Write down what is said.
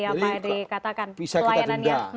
jadi bisa kita denda